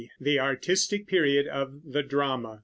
THE ARTISTIC PERIOD OF THE DRAMA.